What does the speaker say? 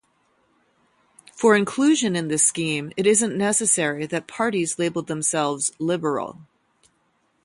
For inclusion in this scheme it isn't necessary that parties labelled themselves 'liberal'.